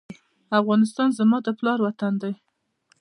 افغانستان زما د پلار وطن دی